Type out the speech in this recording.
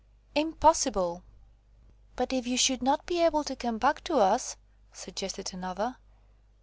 Impossible!" "But if you should not be able to come back to us," suggested another.